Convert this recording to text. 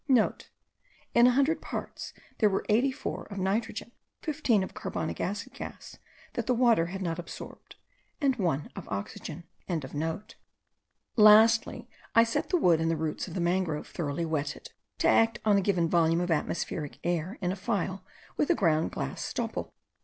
*(* In a hundred parts there were eighty four of nitrogen, fifteen of carbonic acid gas that the water had not absorbed, and one of oxygen.) Lastly, I set the wood and the roots of the mangrove thoroughly wetted, to act on a given volume of atmospheric air in a phial with a ground glass stopple.